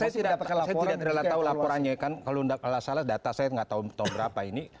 saya tidak terlalu tahu laporannya kan kalau salah data saya nggak tahu berapa ini